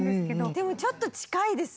でもちょっと近いです。